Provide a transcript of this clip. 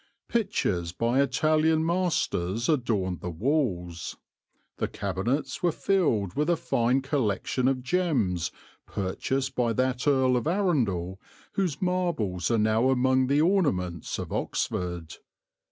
Pictures by Italian masters adorned the walls. The cabinets were filled with a fine collection of gems purchased by that Earl of Arundel whose marbles are now among the ornaments of Oxford.